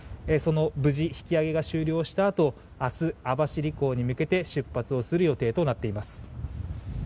無事、引き揚げが終了したあと明日、網走港に向けて出発する予定となっています。